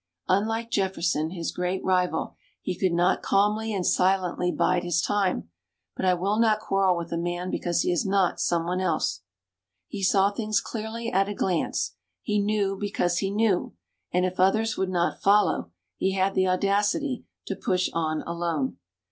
Unlike Jefferson, his great rival, he could not calmly and silently bide his time. But I will not quarrel with a man because he is not some one else. He saw things clearly at a glance; he knew because he knew; and if others would not follow, he had the audacity to push on alone.